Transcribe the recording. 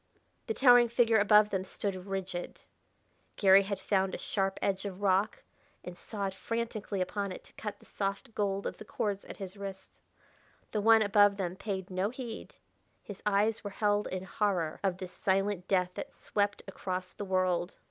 The towering figure above them stood rigid. Garry had found a sharp edge of rock, and sawed frantically upon it to cut the soft gold of the cords at his wrists. The one above them paid no heed; his eyes were held in horror of this silent death that swept across the world.